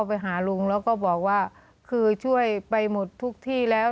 ไปหาลุงแล้วก็บอกว่าคือช่วยไปหมดทุกที่แล้ว